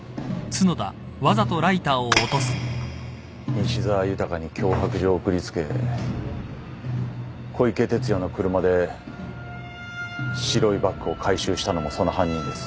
西沢豊に脅迫状送りつけ小池哲也の車で白いバッグを回収したのもその犯人です。